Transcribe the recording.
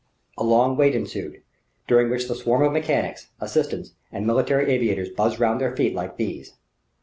A long wait ensued, during which the swarm of mechanics, assistants and military aviators buzzed round their feet like bees.